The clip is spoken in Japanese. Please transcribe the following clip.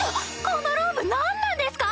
このローブ何なんですか？